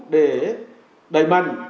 để đẩy mạnh